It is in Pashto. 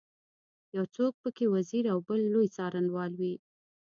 یو څوک په کې وزیر او بل لوی څارنوال وي.